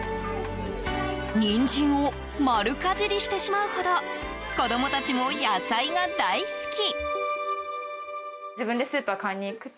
ニンジンを丸かじりしてしまうほど子供たちも野菜が大好き。